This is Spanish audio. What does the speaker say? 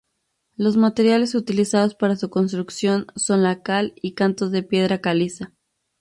Los materiales utilizados para su construcción son la cal y cantos de piedra caliza.